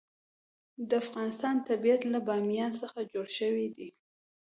د افغانستان طبیعت له بامیان څخه جوړ شوی دی.